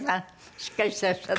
しっかりしてらっしゃる。